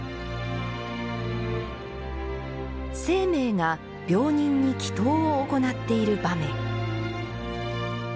晴明が病人に祈祷を行っている場面。